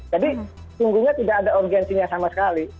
jadi sungguhnya tidak ada urgensinya sama sekali